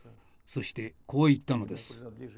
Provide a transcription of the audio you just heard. そしてこう言ったのです。